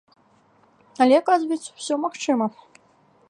Але, аказваецца, усё магчыма.